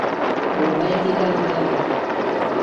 «Могай тиде ава!